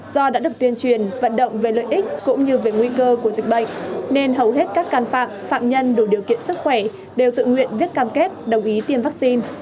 do đã được tuyên truyền vận động về lợi ích cũng như về nguy cơ của dịch bệnh nên hầu hết các can phạm phạm nhân đủ điều kiện sức khỏe đều tự nguyện viết cam kết đồng ý tiêm vaccine